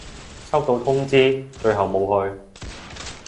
收到通知，最後冇去